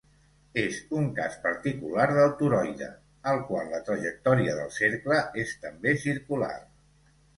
És un cas particular del toroide, al qual la trajectòria del cercle és també circular.